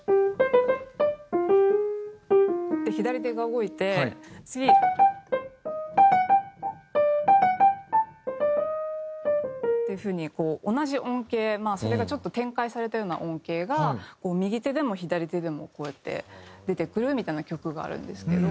って左手が動いて次。っていう風に同じ音型それがちょっと展開されたような音型が右手でも左手でもこうやって出てくるみたいな曲があるんですけど。